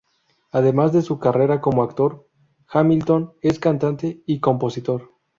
Además de su carrera como actor, Hamilton es cantante y compositor.